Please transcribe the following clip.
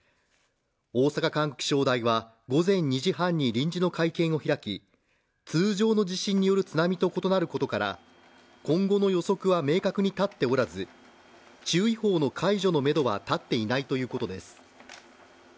大阪管区気象台は午前２時半に臨時の会見を開き、通常の地震による津波と異なることから、今後の予測は明確に立っておらず、注意報の解除のメドは立っていないということです。